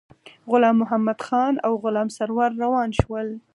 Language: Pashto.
غلام محمدخان او غلام سرور روان شول.